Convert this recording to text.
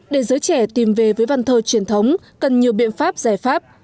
để giới trẻ tìm về với văn thơ truyền thống cần nhiều biện pháp giải pháp